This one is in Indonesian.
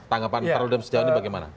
tanggapan pak radlidem sejauh ini bagaimana